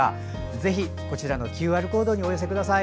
ぜひ、こちらのＱＲコードにお寄せください。